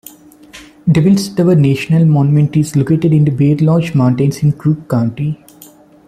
Devils Tower National Monument is located in the Bear Lodge Mountains in Crook County.